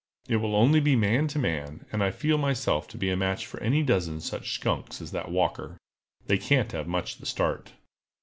It will only be man to man, and I feel myself to be a match for any dozen such skunks as that Walker. They can't have much the start!"